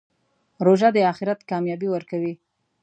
روژه د آخرت کامیابي ورکوي.